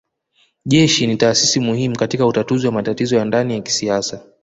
Jeshi ni taasisi muhimu katika utatuzi wa matatizo ya ndani ya kisiasa